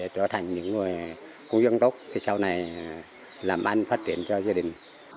trở thành những người của dân tộc sau này làm anh phát triển cho gia đình